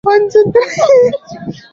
Nilimchukia alivyomfamyia mwanangu.